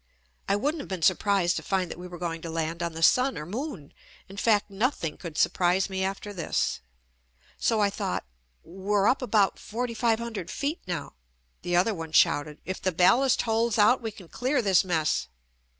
I wouldn't have been sur prised to find that we were going to land on the sun or moon — in fact, nothing could surprise me after this — so I thought "We're up about forty five hundred feet now." The other one shouted: "If the ballast holds out we can clear this mess."